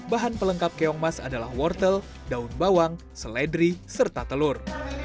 bahan pelengkap keongmas adalah wortel daun bawang seledri serta telur